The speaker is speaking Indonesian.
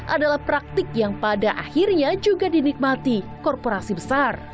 adalah praktik yang pada akhirnya juga dinikmati korporasi besar